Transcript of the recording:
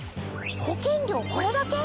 保険料これだけ？